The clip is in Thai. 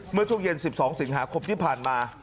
เมื่อช่วงเย็น๑๒สิงหาคมที่ผ่านมา